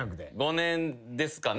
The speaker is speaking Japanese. ５年ですかね。